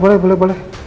boleh boleh boleh